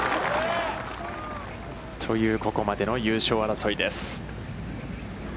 という、ここまでの優勝争いです。